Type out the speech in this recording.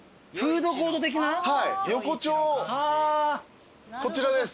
横丁こちらです。